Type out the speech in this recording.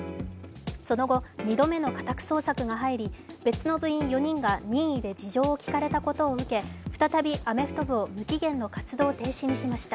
その後、２度目の家宅捜索が入り、別の部員４人が任意で事情を聴かれたことを受け再びアメフト部を無期限の活動停止にしました。